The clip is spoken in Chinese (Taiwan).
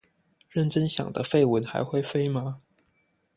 認真想的廢文還會廢嗎